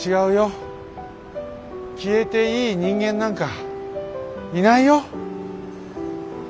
消えていい人間なんかいないよ。